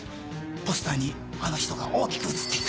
ポスターにあの人が大きく写っていた。